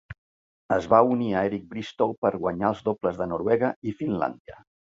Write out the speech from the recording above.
Es va unir a Eric Bristow per guanyar els dobles de Noruega i Finlàndia.